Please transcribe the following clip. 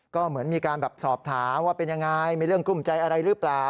ก็เหมือนมีการแบบสอบถามว่าเป็นยังไงมีเรื่องกลุ้มใจอะไรหรือเปล่า